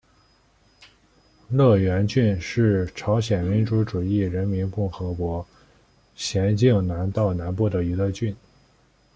乐园郡是朝鲜民主主义人民共和国咸镜南道南部的一个郡。